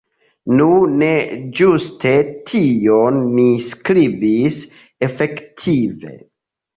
Nu, ne ĝuste tion ni skribis efektive.